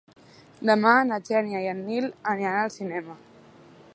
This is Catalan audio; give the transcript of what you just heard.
Demà na Xènia i en Nil aniran al cinema.